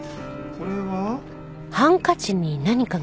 これは？